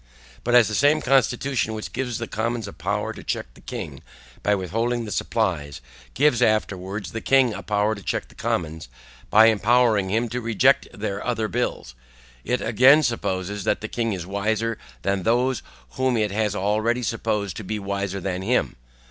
But as the same constitution which gives the commons a power to check the king by withholding the supplies, gives afterwards the king a power to check the commons, by empowering him to reject their other bills; it again supposes that the king is wiser than those whom it has already supposed to be wiser than him.